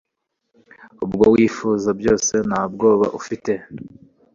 ubwo wifuza byose nta bwoba ufite.